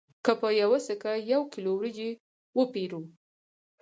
که په یوه سکه یو کیلو وریجې وپېرو